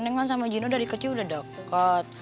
nenek sama jino dari kecil sudah dekat